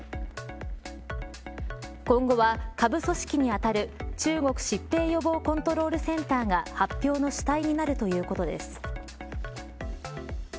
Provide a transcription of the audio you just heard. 今後は下部組織にあたる中国疾病予防コントロールセンターが発表の主体になるということです。